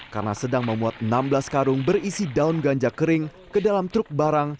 karena sedang memuat enam belas karung berisi daun ganja kering ke dalam truk barang